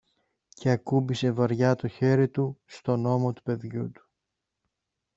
και ακούμπησε βαριά το χέρι του στον ώμο του παιδιού του.